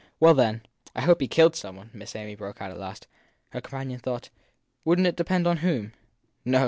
Well, then, I hope he killed some one! Miss Amy broke out at last. Her companion thought. Wouldn t it depend on whom ? No!